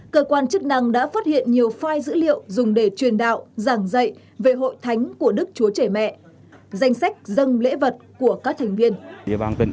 cơ quan chức năng đã phát hiện nhiều file dữ liệu dùng để truyền đạo giảng dạy về hội thánh của đức chúa trẻ mẹ danh sách dân lễ vật của các thành viên